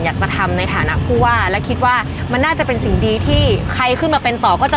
อยากจะทำในฐานะผู้ว่าและคิดว่ามันน่าจะเป็นสิ่งดีที่ใครขึ้นมาเป็นต่อก็จะ